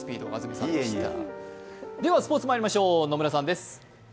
ではスポーツまいりましょう、野村さんです。